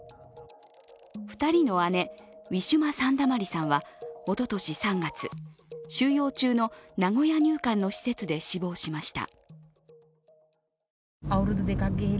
２人の姉ウィシュマ・サンダマリさんはおととし３月収容中の名古屋入管の施設で死亡しました。